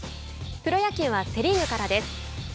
プロ野球はセ・リーグからです。